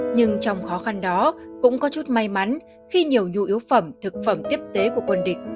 nhưng trong khó khăn đó cũng có chút may mắn khi nhiều nhu yếu phẩm thực phẩm tiếp tế của quân địch